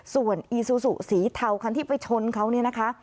ส่วนอีซูซูสีเทาคันที่ไปชนเขาเนี่ยนะคะ